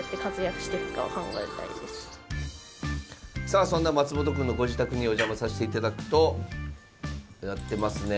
さあそんな松本くんのご自宅にお邪魔させていただくと。やってますね